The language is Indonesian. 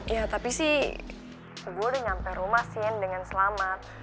ya tapi sih gue udah nyampe rumah sih dengan selamat